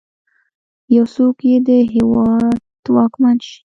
يو څوک چې د هېواد واکمن شي.